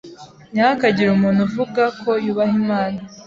Ntihakagire umuntu uvuga ko yubaha Imana